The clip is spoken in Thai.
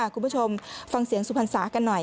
คุณผู้ชมฟังเสียงสุพรรษากันหน่อย